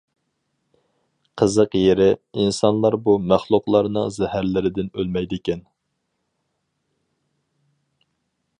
قىزىق يېرى، ئىنسانلار بۇ مەخلۇقلارنىڭ زەھەرلىرىدىن ئۆلمەيدىكەن.